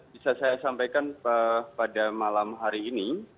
bisa saya sampaikan pada malam hari ini